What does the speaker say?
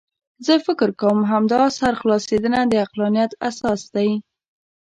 زه فکر کوم همدا سرخلاصېدنه د عقلانیت اساس دی.